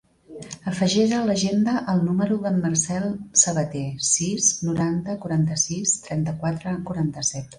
Afegeix a l'agenda el número del Marcel Sabater: sis, noranta, quaranta-sis, trenta-quatre, quaranta-set.